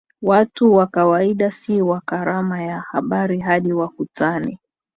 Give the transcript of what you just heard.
Watu wa kawaida si wa karama ya habari hadi wakutane